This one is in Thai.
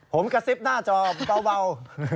ผมกระซิบหน้าจอเบา